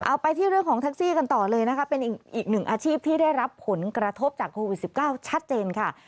ไปที่เรื่องของแท็กซี่กันต่อเลยนะคะเป็นอีกหนึ่งอาชีพที่ได้รับผลกระทบจากโควิด๑๙ชัดเจนค่ะ